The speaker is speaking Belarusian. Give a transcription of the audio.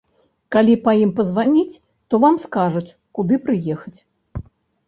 Калі па ім пазваніць, то вам скажуць, куды прыехаць.